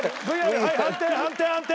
はい判定判定判定！